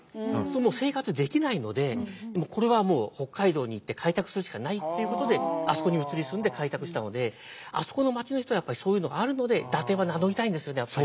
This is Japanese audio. もう生活できないのでこれはもう北海道に行って開拓するしかないっていうことであそこに移り住んで開拓したのであそこの町の人はやっぱりそういうのがあるので伊達は名乗りたいんですよねやっぱり。